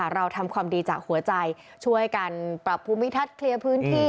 เราทำความดีจากหัวใจช่วยกันปรับภูมิทัศน์เคลียร์พื้นที่